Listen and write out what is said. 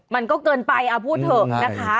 มันก็เกินไปเอาพูดเถอะนะคะ